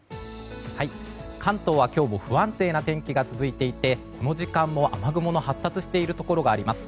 関東は今日も不安定な天気が続いていてこの時間も雨雲が発達しているところがあります。